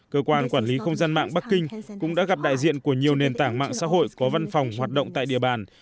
cơ quan quản lý không gian mạng bắc kinh cũng đã gặp đại diện của nhiều nền tảng mạng xã hội có văn phòng hoạt động tại địa bàn